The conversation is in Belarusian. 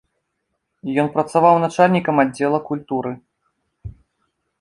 Ён працаваў начальнікам аддзела культуры.